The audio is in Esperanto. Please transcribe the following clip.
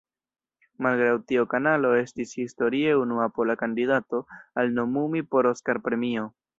Malgraŭ tio "Kanalo" estis historie unua pola kandidato al nomumi por Oskar-premio.